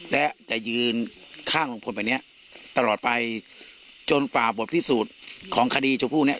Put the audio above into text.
และจะยืนข้างลุงพลแบบนี้ตลอดไปจนกว่าบทพิสูจน์ของคดีชมพู่เนี้ย